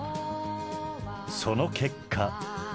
その結果。